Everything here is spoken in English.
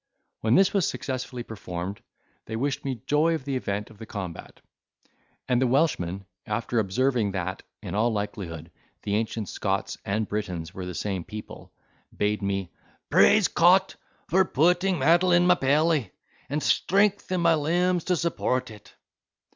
When this was successfully performed, they wished me joy of the event of the combat; and the Welshman, after observing, that, in all likelihood, the ancient Scots and Britons were the same people, bade me "praise Cot for putting mettle in my pelly, and strength in my limbs to support it."